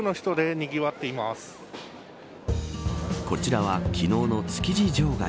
こちらは昨日の築地場外。